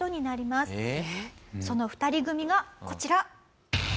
その２人組がこちら。